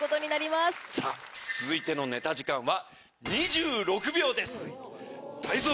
続いてのネタ時間は。